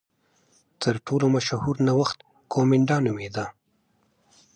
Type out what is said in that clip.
تر ټولو مشهور نوښت کومېنډا نومېده.